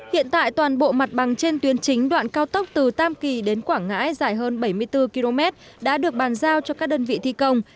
hiện tại toàn bộ mặt bằng trên tuyến chính đoạn cao tốc từ tam kỳ đến quảng ngãi dài hơn bảy mươi bốn km đã được bàn giao cho các đơn vị thi công